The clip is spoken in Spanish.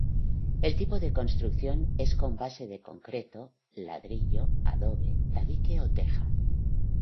El tipo de construcción es con base de concreto, ladrillo, adobe, tabique o teja.